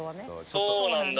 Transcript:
そうなんだ。